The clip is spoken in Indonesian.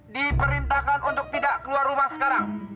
diperintahkan untuk tidak keluar rumah sekarang